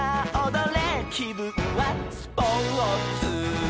「きぶんはスポーツ」